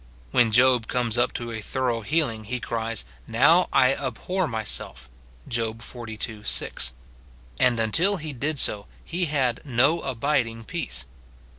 When Job comes up to a thorough healing, he cries, " Now I abhor my self," Job xlii. 6 ; and until he did so, he had no abiding peace.